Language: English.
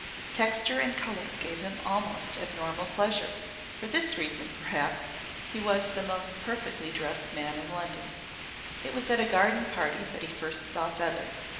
Texture and colour gave him almost abnormal pleasure. For this reason, perhaps, he was the most perfectly dressed man in London. It was at a garden party that he first saw Feather.